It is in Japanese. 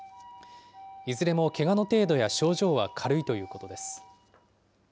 いずれもけがの程度や症状は軽いということです。